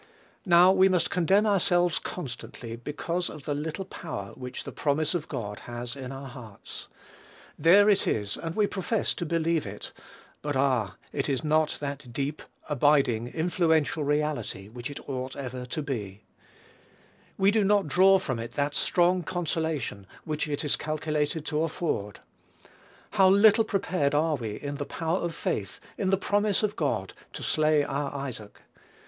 Now, we must condemn ourselves constantly, because of the little power which the promise of God has in our hearts. There it is, and we profess to believe it; but ah! it is not that deep, abiding, influential reality which it ought ever to be; we do not draw from it that "strong consolation" which it is calculated to afford. How little prepared are we, in the power of faith, in the promise of God, to slay our Isaac!